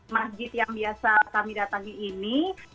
masjid yang biasa kami datangi ini